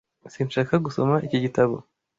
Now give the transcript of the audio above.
Sinshaka gusoma iki gitabo.